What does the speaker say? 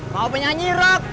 mau penyanyi rock